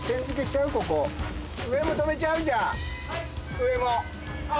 上も。